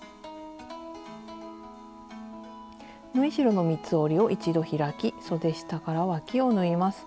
縫い代の三つ折りを一度開きそで下からわきを縫います。